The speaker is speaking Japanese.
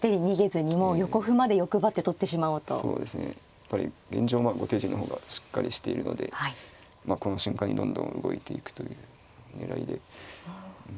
やっぱり現状後手陣の方がしっかりしているのでまあこの瞬間にどんどん動いていくという狙いで。